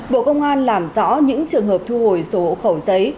bộ công an làm rõ những trường hợp thu hồi sổ hộ khẩu giấy